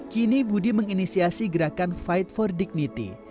kini budi menginisiasi gerakan fight for dignity